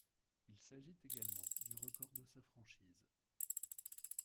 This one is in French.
Il s'agit également du record de sa franchise.